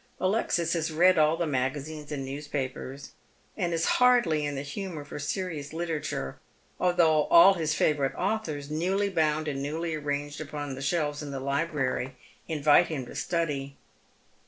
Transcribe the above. Alexia has read all the magazines and newspapers, and is hardly in the humour for serious literature, although all his favourite authors, newly bound and newly arranged upon the shelves in the 'nbrary, invite him to study.